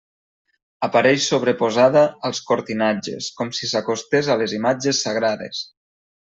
Apareix sobreposada als cortinatges, com si s'acostés a les imatges sagrades.